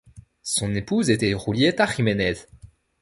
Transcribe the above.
Son épouse était Julieta Jimenez.